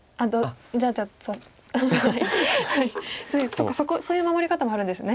そっかそういう守り方もあるんですね。